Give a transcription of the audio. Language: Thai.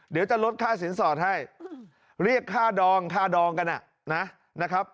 เดี๋ยวจะลดค่าสินสอดให้เรียกค่าดองค่าดองกันนะครับ